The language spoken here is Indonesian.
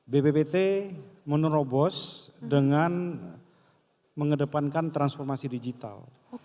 bppt menerobos dengan mengedepankan transformasi digital